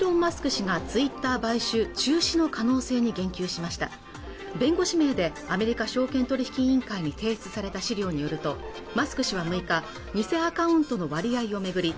氏がツイッター買収中止の可能性に言及しました弁護士名でアメリカ証券取引委員会に提出された資料によるとマスク氏は６日２０００アカウントの割合を巡り